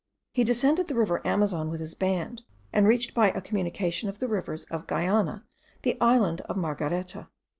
He descended the river Amazon with his band, and reached by a communication of the rivers of Guyana the island of Margareta.